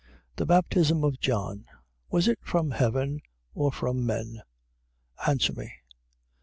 11:30. The baptism of John, was it from heaven or from men? Answer me.